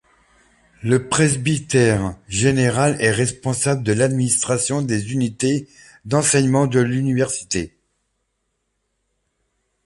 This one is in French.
Le presbytère général est responsable de l'administration des unités d'enseignement de l'université.